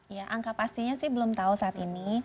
ya angka pastinya sih belum tahu saat ini